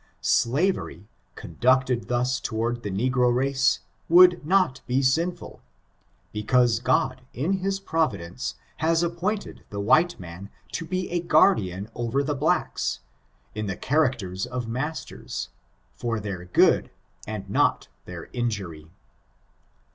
Slavery, conducted thus toward the negro race, would not be sinful ; be cause God, in his providence, has appointed the white man to be a guardian over the blacks, in the characters of masters, for their good and not their injury.